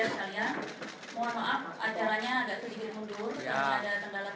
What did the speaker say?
suaranya agak keras ya mbak